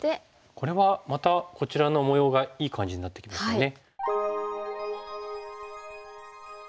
これはまたこちらの模様がいい感じになってきましたね。